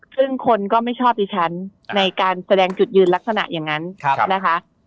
ซึ่งคนก็ไม่ชอบดิฉันในการแสดงจุดยืนลักษณะอย่างนั้นนะคะ